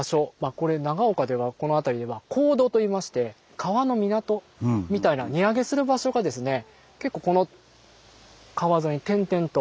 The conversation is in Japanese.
これ長岡ではこの辺りでは「河渡」といいまして川の港みたいな荷揚げする場所がですね結構この川沿いに点々と。